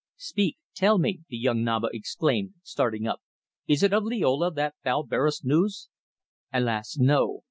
"Speak, tell me," the young Naba exclaimed, starting up. "Is it of Liola that thou bearest news?" "Alas! no.